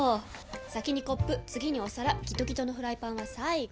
先にコップ次にお皿ギトギトのフライパンは最後！